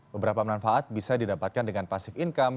beberapa manfaat bisa didapatkan dengan pasif income